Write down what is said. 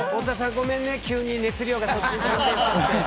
ごめんね急に熱量がそっちに飛んでっちゃって。